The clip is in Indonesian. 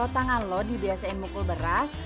tangan lo dibiasain mukul beras